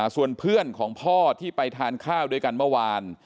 ส่วนเพื่อนของพ่อที่ไปทานข้าวด้วยกันเมื่อวาน